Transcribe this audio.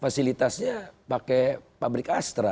fasilitasnya pakai pabrik astra